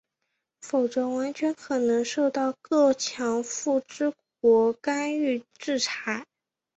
否则完全可能受到各强富之国的干预制裁。